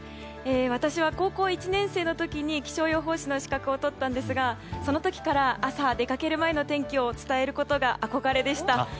私は高校１年生の時に気象予報士の資格を取ったんですがその時から朝、出かける前の天気を伝えることが憧れでした。